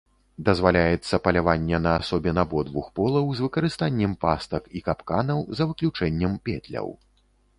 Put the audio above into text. Дазваляецца паляванне на асобін абодвух полаў з выкарыстаннем пастак і капканаў, за выключэннем петляў.